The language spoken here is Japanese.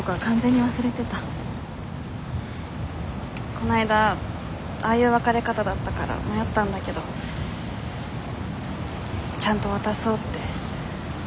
こないだああいう別れ方だったから迷ったんだけどちゃんと渡そうって。